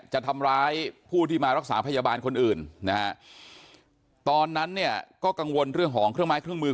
จะทำร้ายผู้ที่มารักษาพยาบาลคนอื่นนะฮะตอนนั้นเนี่ยก็กังวลเรื่องของเครื่องไม้เครื่องมือ